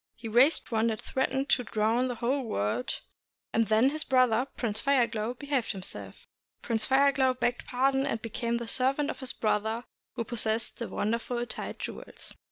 He raised one that threatened to drown the whole world, and then his brother Prince Fire Glow behaved himself. Prince Fire Glow begged pardon and became the servant of his brother who possessed the wonderful tide jewels.